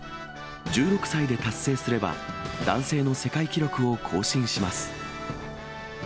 １６歳で達成すれば、男性の世界記録を更新します。